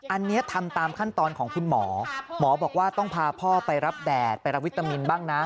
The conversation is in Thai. อันนี้ทำตามขั้นตอนของคุณหมอหมอบอกว่าต้องพาพ่อไปรับแดดไปรับวิตามินบ้างนะ